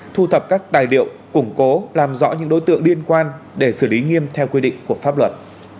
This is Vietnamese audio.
thu thập các tài liệu củng cố làm rõ những đối tượng liên quan để xử lý nghiêm theo quy định của pháp luật